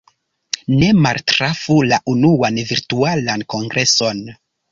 Ne maltrafu la unuan Virtualan Kongreson!